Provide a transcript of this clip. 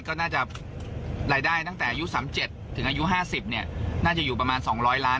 ก็น่าจะรายได้ตั้งแต่อายุ๓๗ถึงอายุ๕๐น่าจะอยู่ประมาณ๒๐๐ล้าน